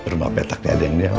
rumah petaknya ada yang